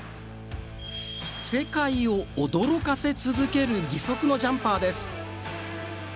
世界を驚かせ続ける義足のジャンパーです。